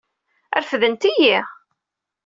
Refdent-iyi.